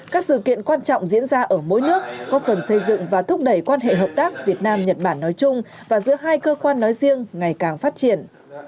các sự kiện quan trọng diễn ra ở mỗi nước góp phần xây dựng và thúc đẩy quan hệ hợp tác việt nam nhật bản nói chung và giữa hai cơ quan nói riêng ngày càng phát triển